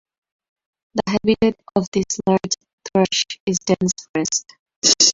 The habitat of this large thrush is dense forest.